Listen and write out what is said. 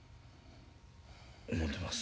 思うてます。